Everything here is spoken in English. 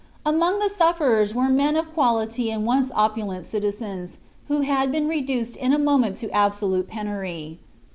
Among the sufferers were men of quality and once opulent citizens, who had been reduced in a moment to absolute penury.